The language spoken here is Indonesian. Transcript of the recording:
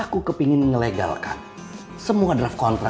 kenapa gak telfon aja